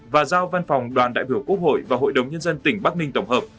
và giao văn phòng đoàn đại biểu quốc hội và hội đồng nhân dân tỉnh bắc ninh tổng hợp